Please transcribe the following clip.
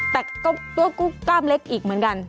แต่ก็กล้ามเล็กอีกเหมือนกัน